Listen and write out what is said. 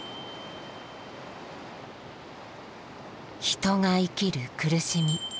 人が生きる苦しみ